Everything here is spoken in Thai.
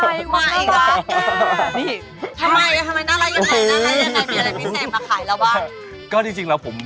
ไม่มีอะไรครับ